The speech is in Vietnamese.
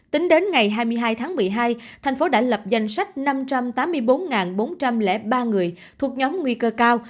tính đến ngày hai mươi hai tháng một mươi hai thành phố đã lập danh sách năm trăm tám mươi bốn bốn trăm linh ba người thuộc nhóm nguy cơ cao